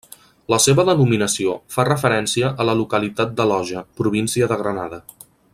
La seva denominació fa referència a la localitat de Loja, província de Granada.